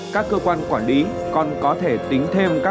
các cơ quan quản lý còn có thể tính thêm các sản xuất